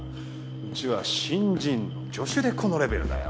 うちは新人の助手でこのレベルだよ。